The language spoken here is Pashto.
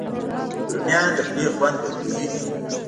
رومیان د خولې خوند بدلوي